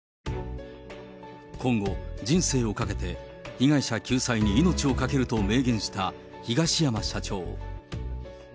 今後、人生をかけて被害者救済に命を懸けると明言した東山社長。